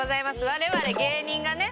我々芸人がね